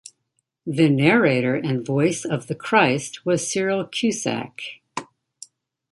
The narrator and Voice of the Christ was Cyril Cusack.